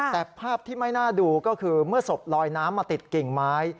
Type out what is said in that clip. แต่ภาพที่ไม่น่าดูก็คือเมื่อศพลอยน้ำมาติดกิ่งไม้